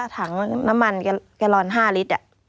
ถังน้ำมันแกโรน๕ลิตรอ่ะ